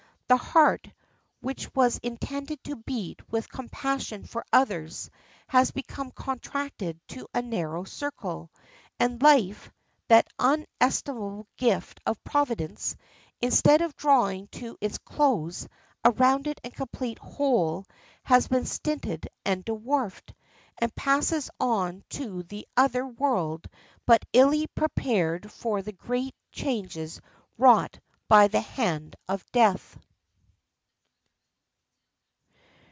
The heart, which was intended to beat with compassion for others, has become contracted to a narrow circle, and life, that inestimable gift of Providence, instead of drawing to its close a rounded and complete whole, has been stinted and dwarfed, and passes on to the other world but illy prepared for the great changes wrought by the hand of death.